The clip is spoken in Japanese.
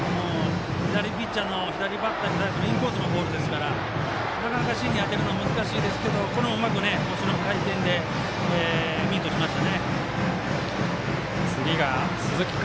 左ピッチャーの左バッターに対するインコースのボールですからなかなか芯に当てるのは難しいですけど、これも腰の回転でミートしました。